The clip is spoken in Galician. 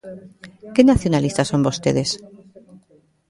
¿Que nacionalistas son vostedes?